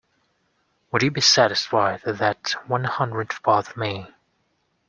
Would you be satisfied with that one hundredth part of me.